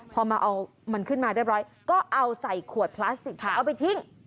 พอมาเอามันขึ้นมาเรียบร้อยก็เอาใส่ขวดพลาสติกเอาไปทิ้ง